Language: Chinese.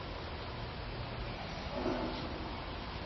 丝绸是用蚕丝编制而成的纺织品。